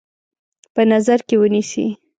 په نظر کې ونیسي.